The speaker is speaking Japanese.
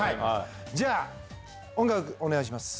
じゃあ、音楽お願いします。